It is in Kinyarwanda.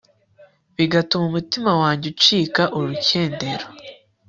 bigatuma umutima wanjye ucika urukendero